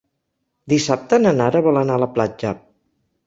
Dissabte na Nara vol anar a la platja.